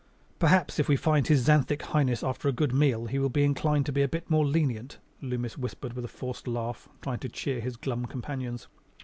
"Perhaps if we find his xanthic highness after a good meal he will be inclined to be a bit more lenient," Loomis whispered with a forced laugh, trying to cheer his glum companions.